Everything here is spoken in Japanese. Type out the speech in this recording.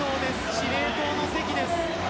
司令塔の関です。